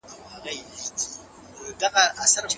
شعار خو نه لرم له باده سره